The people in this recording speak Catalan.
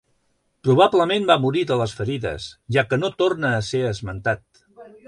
Probablement va morir de les ferides, ja que no torna a ser esmentat.